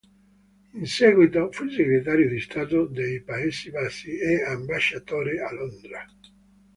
In seguito fu segretario di Stato dei Paesi Bassi e ambasciatore a Londra.